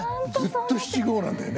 ずっと七五なんだよね。